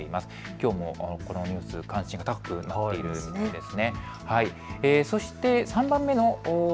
きょうもこのニュース、関心が高くなっているんです。